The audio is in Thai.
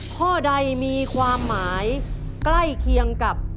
ข้อใดมีความหมายใกล้เคียงกับ